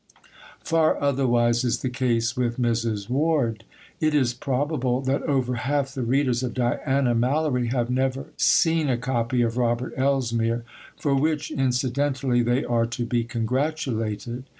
Far otherwise is the case with Mrs. Ward. It is probable that over half the readers of Diana Mallory have never seen a copy of Robert Elsmere, for which, incidentally, they are to be congratulated.